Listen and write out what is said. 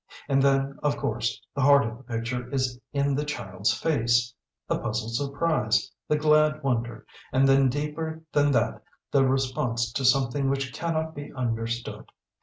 And then of course the heart of the picture is in the child's face the puzzled surprise, the glad wonder, and then deeper than that the response to something which cannot be understood.